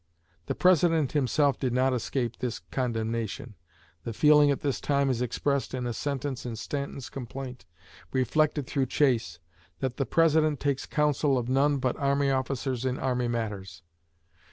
The President himself did not escape this condemnation. The feeling at this time is expressed in a sentence in Stanton's complaint, reflected through Chase, that "the President takes counsel of none but army officers in army matters."